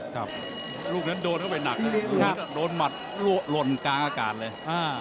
ครับลูกนั้นโดนเข้าไปหนักเลยลูกโดนหมัดหล่นกลางอากาศเลย